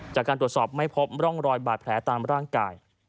จากการตรวจสอบไม่พบร่องรอยบาดแผลตามร่างกาย